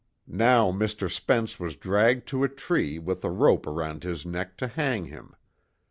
Now Mr. Spence was dragged to a tree with a rope around his neck to hang him.